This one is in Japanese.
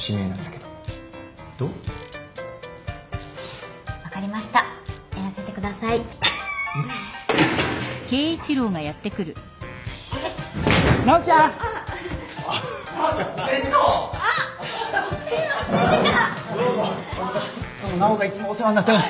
どうも奈緒がいつもお世話になってます。